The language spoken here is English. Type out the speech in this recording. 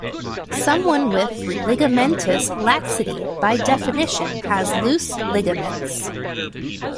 Someone with ligamentous laxity, by definition, has loose ligaments.